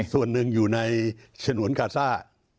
ส่วนหนึ่งอยู่ในฉนวนกาซ่า